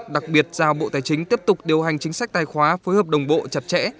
đặc biệt giao bộ tài chính tiếp tục điều hành chính sách tài khóa phối hợp đồng bộ chặt chẽ